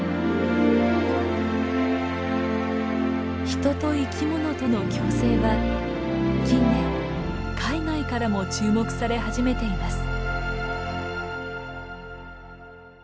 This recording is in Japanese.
人と生き物との共生は近年海外からも注目され始めています。